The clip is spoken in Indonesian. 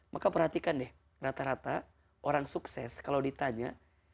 maka perhatikan deh rata rata orang sukses kalau ditanya